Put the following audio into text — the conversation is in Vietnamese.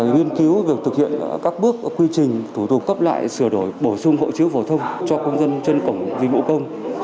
nghiên cứu việc thực hiện các bước quy trình thủ tục cấp lại sửa đổi bổ sung hộ chiếu phổ thông cho công dân trên cổng dịch vụ công